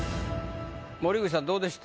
森口さんどうでした？